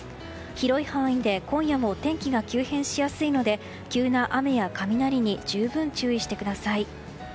広い範囲で今夜も天気が急変しやすいので急な雨や雷に十分注意してください。